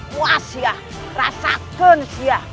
puas ya rasakan sih ya